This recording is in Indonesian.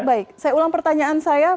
baik saya ulang pertanyaan saya